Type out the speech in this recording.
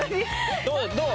どう？